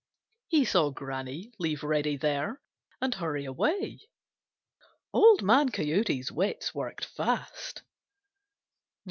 He saw Granny leave Reddy there and hurry away. Old Man Coyote's wits worked fast.